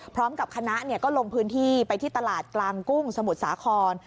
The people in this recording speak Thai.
พร้อมกับคณะก็ลงพื้นที่ไปที่ตลาดกลางกุ้งสมุทรสาคร